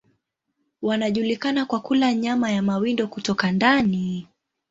Wanajulikana kwa kula nyama ya mawindo kutoka ndani.